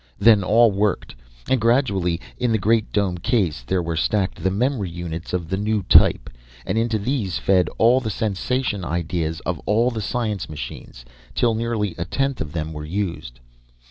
Then all worked, and gradually, in the great dome case, there were stacked the memory units of the new type, and into these fed all the sensation ideas of all the science machines, till nearly a tenth of them were used.